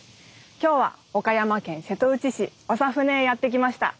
今日は岡山県瀬戸内市長船へやって来ました。